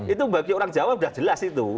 itu bagi orang jawa sudah jelas itu